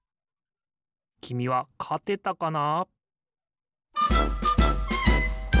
きみはかてたかな？